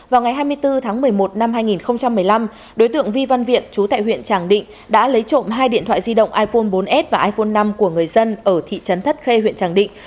vào ngày hai mươi bốn tháng một mươi một năm hai nghìn một mươi năm đối tượng vi văn viện chú tại huyện tràng định đã lấy trộm hai điện thoại di động iphone bốn s và iphone năm của người dân ở thị trấn thất khê huyện tràng định